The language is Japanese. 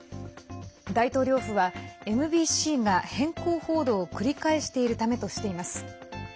大統領府は、ＭＢＣが偏向報道を繰り返しているためとしています。